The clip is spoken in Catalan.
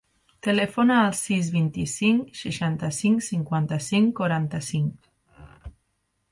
Telefona al sis, vint-i-cinc, seixanta-cinc, cinquanta-cinc, quaranta-cinc.